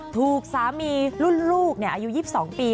ถูกสามีรุ่นลูกอายุ๒๒ปี